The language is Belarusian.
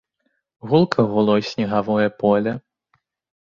Гулка гуло снегавое поле.